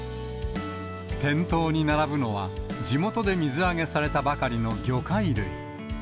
店頭に並ぶのは、地元で水揚げされたばかりの魚介類。